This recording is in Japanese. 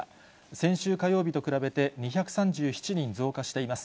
先週火曜日と比べて２３７人増加しています。